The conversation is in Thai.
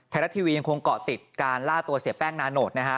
รัฐทีวียังคงเกาะติดการล่าตัวเสียแป้งนาโนตนะฮะ